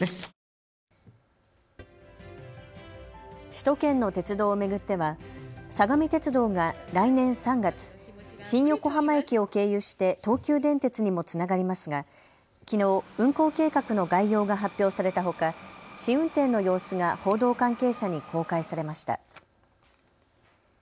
首都圏の鉄道を巡っては相模鉄道が来年３月、新横浜駅を経由して東急電鉄にもつながりますが、きのう運行計画の概要が発表されたほか試運転の様子が報道関係者に公開されました。